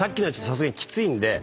さすがにきついんで。